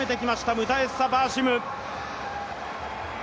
ムタ・エッサ・バーシム。